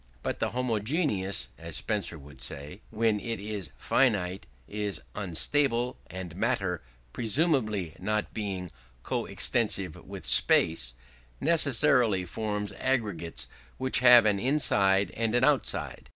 But the homogeneous (as Spencer would say) when it is finite is unstable: and matter, presumably not being co extensive with space, necessarily forms aggregates which have an inside and an outside.